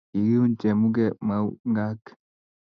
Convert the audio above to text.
Kikiuny Jemuge maung'ak